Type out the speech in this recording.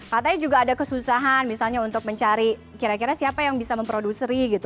katanya juga ada kesusahan misalnya untuk mencari kira kira siapa yang bisa memproduceri gitu